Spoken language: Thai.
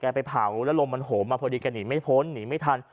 ไปเผาแล้วลมมันโหมมาพอดีแกหนีไม่พ้นหนีไม่ทัน